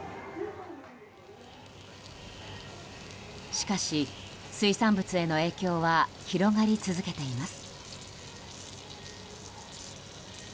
しかし、水産物への影響は広がり続けています。